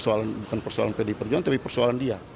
keluar dari itu bukan persoalan pdi perjuangan tapi persoalan dia